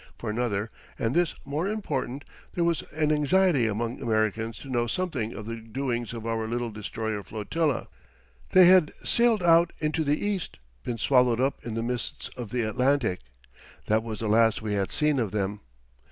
For another and this more important there was an anxiety among Americans to know something of the doings of our little destroyer flotilla. They had sailed out into the East, been swallowed up in the mists of the Atlantic that was the last we had seen of them.